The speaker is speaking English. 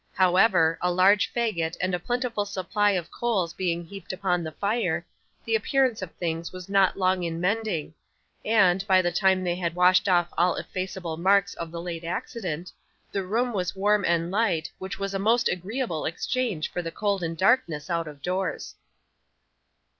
However, a large faggot and a plentiful supply of coals being heaped upon the fire, the appearance of things was not long in mending; and, by the time they had washed off all effaceable marks of the late accident, the room was warm and light, which was a most agreeable exchange for the cold and darkness out of doors.